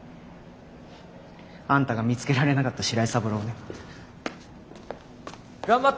あんたが見つけられなかった白井三郎をね。頑張って。